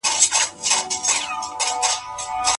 ایا تاسي کله په الوتکه کې ناست یاست؟